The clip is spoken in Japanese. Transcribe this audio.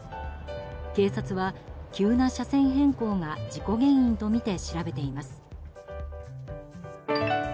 警察は、急な車線変更が事故原因とみて調べています。